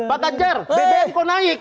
pak ganjar bbm kok naik